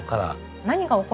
何が起こるのか